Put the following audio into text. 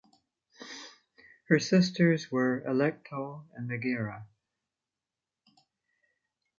Her sisters were Alecto and Megaera.